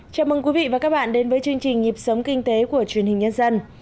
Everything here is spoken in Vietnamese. chào mừng quý vị và các bạn đến với chương trình nhịp sống kinh tế của truyền hình nhân dân